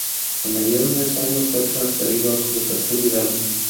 A mediados de ese año fue transferido al Cruz Azul Hidalgo.